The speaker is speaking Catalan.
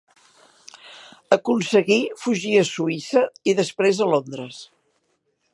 Aconseguí fugir a Suïssa i després a Londres.